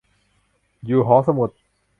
อยู่หอสมุด